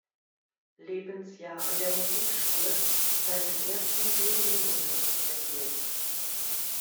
Lebensjahr an der Musikschule seinen ersten Violinunterricht erhielt.